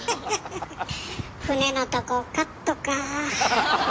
船のとこカットか。